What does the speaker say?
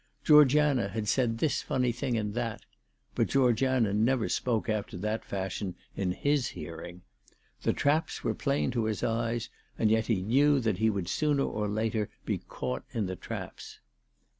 Georgiana had said this funny thing and that, but Georgiana never spoke after that fashion in his hearing. The traps were plain to his eyes, and yet he knew that he would sooner or later be caught in the traps.